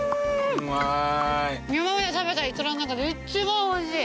今まで食べたイクラの中で一番おいしい！